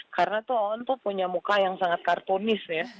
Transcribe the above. karena tuh oon tuh punya muka yang sangat kartunis ya